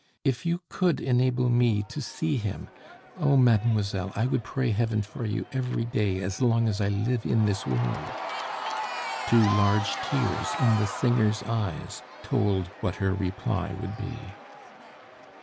If you could enable me to see him oh! mademoiselle, I would pray Heaven for you every day as long as I live in this world " Two large tears in the singer's eyes told what her reply would be.